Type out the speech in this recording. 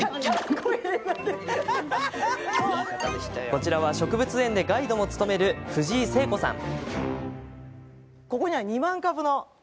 こちらは植物園でガイドも務める藤井聖子さん。